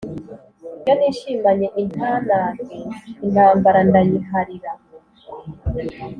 iyo nishimanye intanage intambara ndayiharira